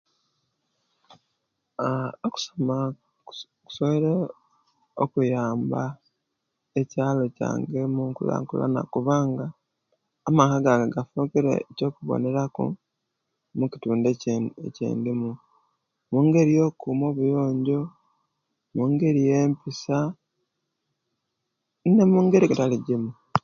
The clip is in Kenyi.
Okusoma kusoboire okuyamba ekyaalo kyange mukulakulana kubanga amaka gange gafukire ekyokubonera ku mukitundu ekyendimu mungeri oyokuuma obuyonjo mungeri eyempisa ne'mungeri ejitali jimu